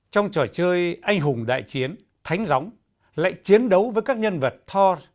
trong trò chơi anh hùng đại chiến thánh gióng lại chiến đấu với các nhân vật thor